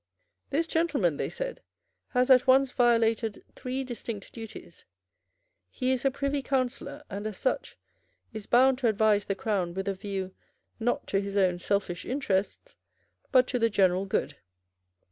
"This gentleman," they said, "has at once violated three distinct duties. He is a privy councillor, and, as such, is bound to advise the Crown with a view, not to his own selfish interests, but to the general good.